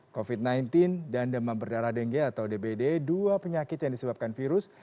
covid sembilan belas dan demam berdarah denge atau dbd dua penyakit yang disebabkan virus